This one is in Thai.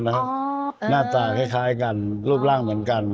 หน้าตาคล้ายกันรูปร่างเหมือนกัน